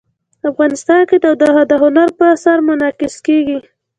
افغانستان کې تودوخه د هنر په اثار کې منعکس کېږي.